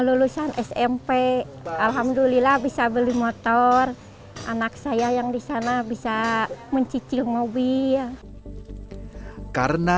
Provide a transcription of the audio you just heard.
lulusan smp alhamdulillah bisa beli motor anak saya yang disana bisa mencicil mobil karena